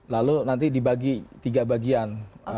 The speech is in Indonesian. lalu nanti dibagi tiga bagian